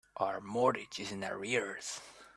Our mortgage is in arrears.